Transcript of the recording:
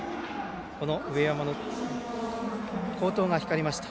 上山の好投が光りました。